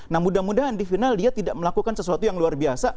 nah mudah mudahan di final dia tidak melakukan sesuatu yang luar biasa